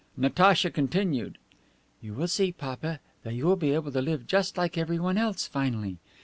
Natacha continued: "You will see, papa, that you will be able to live just like everyone else finally.